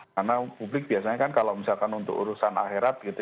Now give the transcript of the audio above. karena publik biasanya kan kalau misalkan untuk urusan akhirat gitu ya